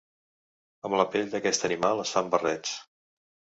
Amb la pell d'aquest animal es fan barrets.